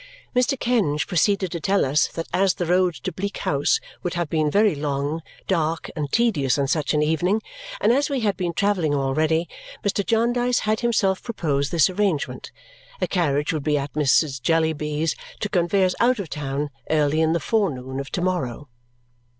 Mr. Kenge proceeded to tell us that as the road to Bleak House would have been very long, dark, and tedious on such an evening, and as we had been travelling already, Mr. Jarndyce had himself proposed this arrangement. A carriage would be at Mrs. Jellyby's to convey us out of town early in the forenoon of to morrow.